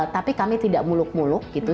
tapi kami tidak muluk muluk gitu